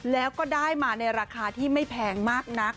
แล้วก็ได้มาในราคาที่ไม่แพงมากนัก